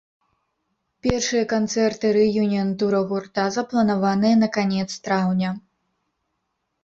Першыя канцэрты рэюніян-тура гурта запланаваныя на канец траўня.